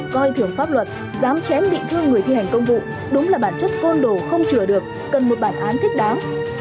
coi thưởng pháp luật dám chém bị thương người thi hành công vụ đúng là bản chất côn đồ không chừa được cần một bản án thích đáng